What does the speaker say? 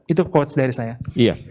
itu quotes dari saya